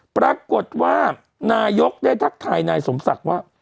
ปรากฏว่านายกได้ทักทายนายสมศักดิ์ว่า